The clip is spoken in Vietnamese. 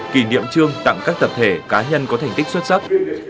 kỷ niệm trương tặng các tập thể cá nhân có thành tích xuất sắc